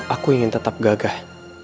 aku ingin tetap gagah